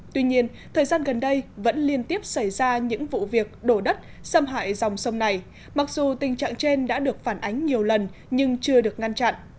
tuy nhiên thời gian gần đây vẫn liên tiếp xảy ra những vụ việc đổ đất xâm hại dòng sông này mặc dù tình trạng trên đã được phản ánh nhiều lần nhưng chưa được ngăn chặn